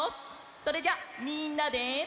それじゃみんなで。